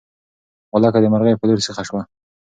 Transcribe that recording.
غولکه د مرغۍ په لور سیخه شوه.